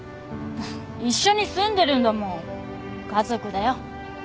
一緒に住んでるんだもん家族だよ。